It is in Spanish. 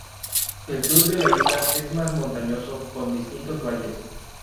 El sur de la isla es más montañoso, con distintos valles.